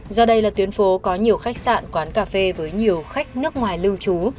do đây là tuyến phố có nhiều khách sạn quán cà phê với nhiều khách nước ngoài lưu trú